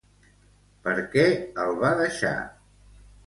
Per què el va deixar?